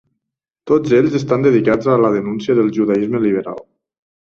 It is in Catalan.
Tots ells estan dedicats a la denúncia del judaisme liberal.